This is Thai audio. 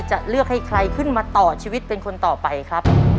จะเลือกให้ใครขึ้นมาต่อชีวิตเป็นคนต่อไปครับ